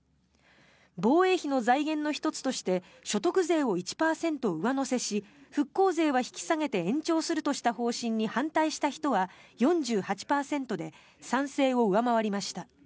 防衛費の財源の１つとして所得税を１％上乗せし復興税は引き下げて延長するとした方針に反対した人は４８％で賛成を上回りました。